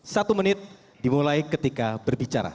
satu menit dimulai ketika berbicara